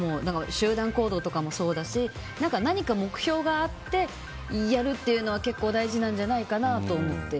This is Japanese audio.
集団行動とかもそうだし何か目標があってやるというのは結構大事なんじゃないかなと思って。